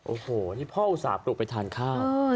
โอ้โหนี่พ่ออุตส่าหลุกไปทานข้าว